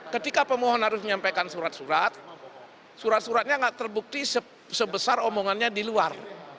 ketika pemohon harus menyampaikan surat surat suratnya tidak terbukti sebesar omongannya di luar